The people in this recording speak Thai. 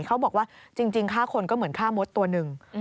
เขาบอกว่าจริงฆ่าคนก็เหมือนฆ่ามดตัวหนึ่ง